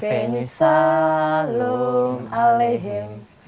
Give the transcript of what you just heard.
hafen yusalam alehim